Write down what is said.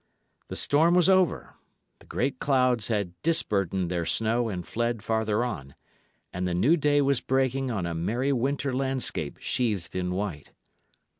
The storm was over; the great clouds had disburdened their snow and fled farther on, and the new day was breaking on a merry winter landscape sheathed in white.